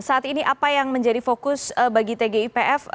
saat ini apa yang menjadi fokus bagi tgipf